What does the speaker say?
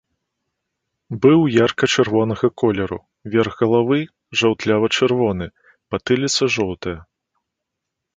Быў ярка-чырвонага колеру, верх галавы жаўтлява-чырвоны, патыліца жоўтая.